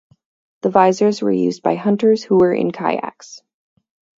The visors were used by hunters who were in kayaks.